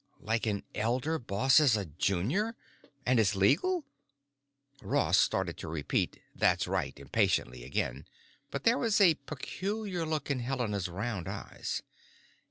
"Like an elder bosses a junior? And it's legal?" Ross started to repeat, "That's right," impatiently again. But there was a peculiar look in Helena's round eyes.